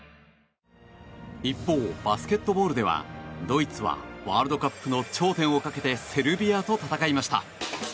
一方、バスケットボールではドイツはワールドカップの頂点をかけてセルビアと戦いました。